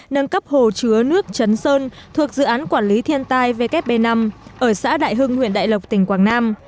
nâng cấp hồ chứa nước chấn sơn thuộc dự án quản lý thiên tai wb năm ở xã đại hưng huyện đại lộc tỉnh quảng nam